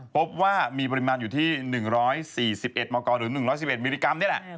พบว่ามีปริมาณอยู่ที่๑๔๑มกหรือ๑๑๑มิลลิกรัมนี่แหละ